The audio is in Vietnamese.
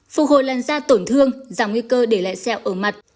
phục hồi lan da tổn thương giảm nguy cơ để lại xeo ở mặt